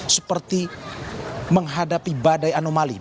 seperti menghadapi badai anomali